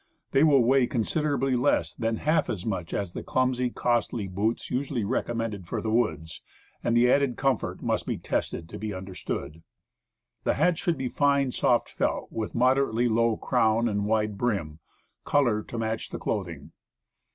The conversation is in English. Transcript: They will weigh considerably less than half as much as the clumsy, costly boots usually recommended for the woods; and the added comfort must be tested to be understood. The hat should be fine, soft felt, with moderately low crown and wide brim; color to match the clothing.